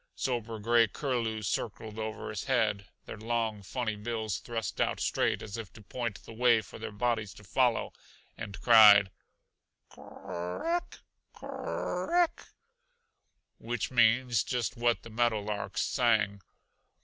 Sober gray curlews circled over his head, their long, funny bills thrust out straight as if to point the way for their bodies to follow and cried, "Kor r eck, kor r eck!" which means just what the meadow larks sang.